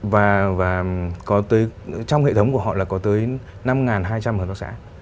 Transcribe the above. và có trong hệ thống của họ là có tới năm hai trăm linh hợp tác xã